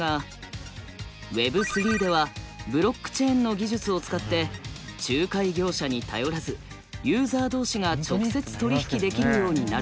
Ｗｅｂ３ではブロックチェーンの技術を使って仲介業者に頼らずユーザー同士が直接取り引きできるようになるのです。